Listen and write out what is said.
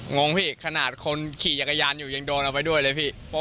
งงเพียคนาคตใบบิเลี่ยตเป็นคนขี่ยากยานอยู่ยังโดนไปด้วยเลยเพีย